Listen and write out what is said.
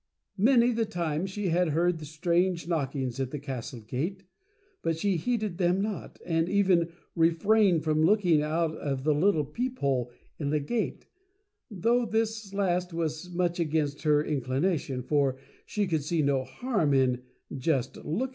Many the time she had heard strange knockings at the Castle Gate, but she heeded them not, and even refrained from looking out of the little peep hole in the Gate — though this last was much against her inclination, for she could see no harm in "J ust Looking."